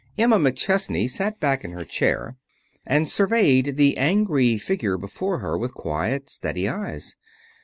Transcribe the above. Emma McChesney sat back in her chair and surveyed the angry figure before her with quiet, steady eyes.